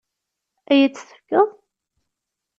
Ad iyi-tt-tefkeḍ?